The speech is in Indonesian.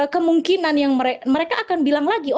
kemungkinan yang mereka akan bilang lagi